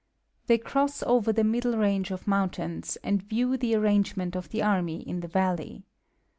[They cross over the middle range of mountains, and view the arrangement of the army in the valley.